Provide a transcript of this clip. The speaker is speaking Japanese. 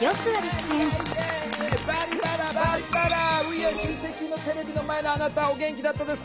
Ｗｅａｒｅシンセキ！のテレビの前のあなたお元気だったですか？